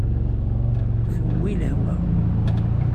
Tewwi lehwa.